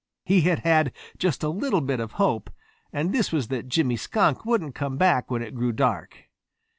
He had had just a little bit of hope, and this was that Jimmy Skunk wouldn't come back when it grew dark.